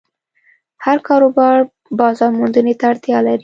هر کاروبار بازارموندنې ته اړتیا لري.